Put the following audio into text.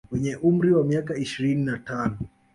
Wenye umri wa miaka ishirini na tano